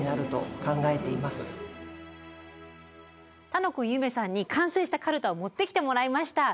楽くん夢さんに完成したかるたを持ってきてもらいました。